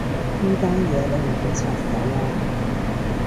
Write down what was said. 呢單嘢你唔好插手啊